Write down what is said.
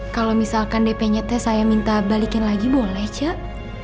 kalau misalkan depenya saya minta balikin lagi boleh cek